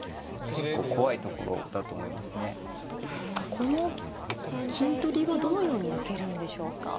この金取りはどのように受けるんでしょうか。